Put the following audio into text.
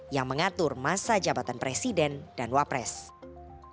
yang mengatur masa jabatan presiden dan wakil presiden